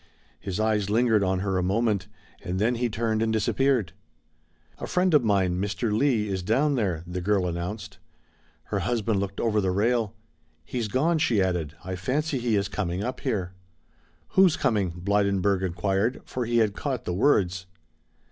His eyes lingered on her a moment, and then he turned and disappeared. "A friend of mine, Mr. Leigh, is down there," the girl announced. Her husband looked over the rail. "He's gone," she added. "I fancy he is coming up here." "Who's coming?" Blydenburg inquired, for he had caught the words.